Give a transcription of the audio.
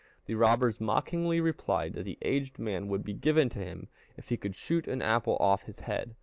The robbers mockingly replied that the aged man would be given to him if he could shoot an apple off his head.